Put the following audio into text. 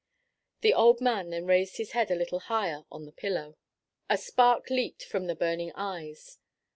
The old man then raised his head a little higher on the pillow. A spark leaped from the burning eyes.